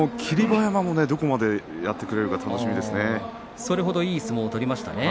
馬山どこまでやってくれるか楽しみですね。